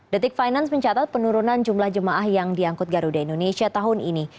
detik finance mencatat penurunan jumlah jemaah yang diangkut garuda indonesia tahun ini